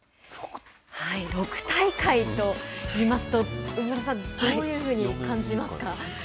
６大会といいますと上村さんどういうふうに感じますか。